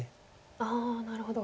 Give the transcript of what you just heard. ああなるほど。